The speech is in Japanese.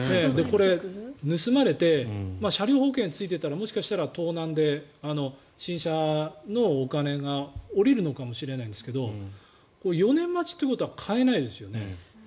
これ、盗まれて車両保険がついていたらもしかしたら盗難で新車のお金が下りるのかもしれないですけど４年待ちってことは買えないですよね。